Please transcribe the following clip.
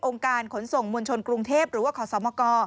การขนส่งมวลชนกรุงเทพหรือว่าขอสมก